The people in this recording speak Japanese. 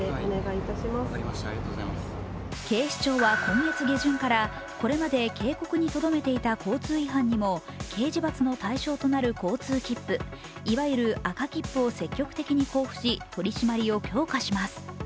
警視庁は今月下旬からこれまで警告にとどめていた交通違反にも刑事罰の対象となる交通切符、いわゆる赤切符を積極的に交付し、取り締まりを強化します。